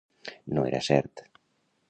No era cert.